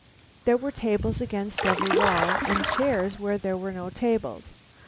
There were tables against every wall, and chairs where there were no tables.